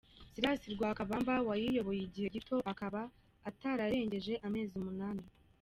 Silas Lwakabamba wayiyoboye igihe gito akaba atararengeje amezi umunani.